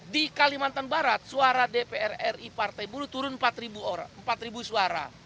di kalimantan barat suara dpr ri partai buruh turun empat ribu suara